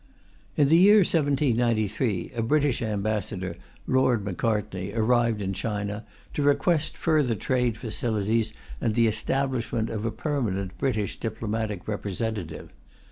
In the year 1793, a British ambassador, Lord Macartney, arrived in China, to request further trade facilities and the establishment of a permanent British diplomatic representative.